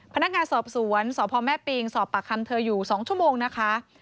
พนักงานสอบสวนสพแม่ปิงสอบปากคำเธออยู่๒ชั่วโมงนะคะ